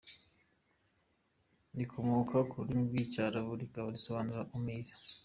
Rikomoka ku rurimi rw’Icyarabu rikaba risobanura “Umira”.